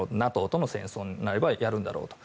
ＮＡＴＯとの戦争になればやるんだろうと。